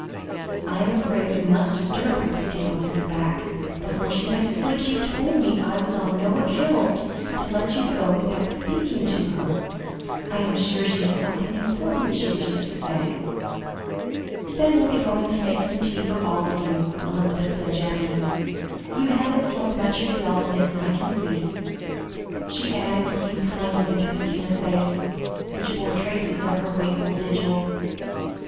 "I am afraid we must disturb her," Christina whispered back. "Before she went to sleep, she told me I was on no account to let you go without speaking to her. I am sure she has something important she wishes to say." "Then I'll be going to make some tea for you all," Elizabeth said gently; "you haven't slept much yourself, miss, I can see," she added, looking kindly into Christina's face, which bore traces of her wakeful vigil.